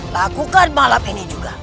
lakukan malam ini juga